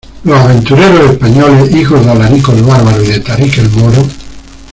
los aventureros españoles, hijos de Alarico el bárbaro y de Tarik el moro.